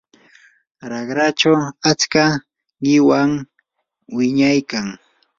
raqrachaw achka qiwan wiñaykan.